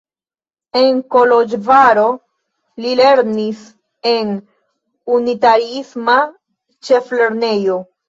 En Koloĵvaro li lernis en unitariisma ĉeflernejo.